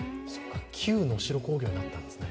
旧能代工業になったんですね。